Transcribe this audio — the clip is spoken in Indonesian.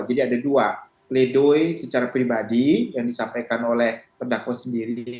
jadi ada dua pledoi secara pribadi yang disampaikan oleh terdakwa sendiri